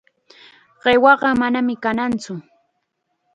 Qiwaqa manam kannatsu.